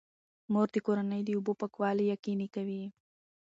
مور د کورنۍ د اوبو پاکوالی یقیني کوي.